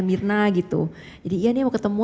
mirna gitu jadi iya nih mau ketemu